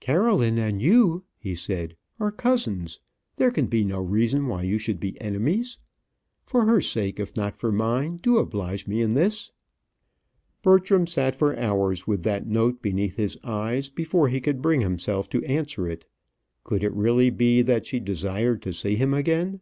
"Caroline and you," he said, "are cousins; there can be no reason why you should be enemies. For her sake, if not for mine, do oblige me in this." Bertram sat for hours with that note beneath his eyes before he could bring himself to answer it. Could it really be that she desired to see him again?